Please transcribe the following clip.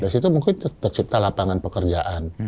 di situ mungkin tercipta lapangan pekerjaan